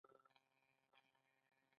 بله ګټه یې د کارونو په ښه توګه پرمخ تلل دي.